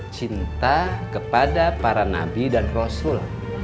cinta kepada para nabi dan rasul